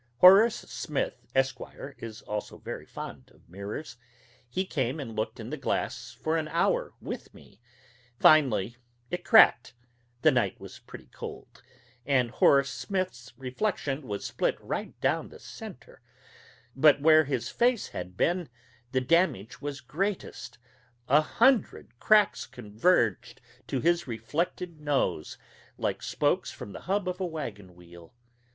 Horace Smith, Esq., is also very fond of mirrors. He came and looked in the glass for an hour with me. Finally it cracked the night was pretty cold and Horace Smith's reflection was split right down the centre. But where his face had been the damage was greatest a hundred cracks converged to his reflected nose, like spokes from the hub of a wagon wheel.